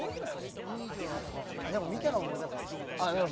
見たら、思い出すかもしれない。